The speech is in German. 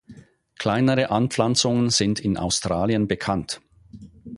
Kleinere Anpflanzungen sind in Australien bekannt.